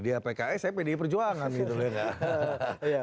dia pks saya pdi perjuangan gitu loh ya kan